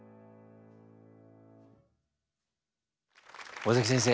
尾崎先生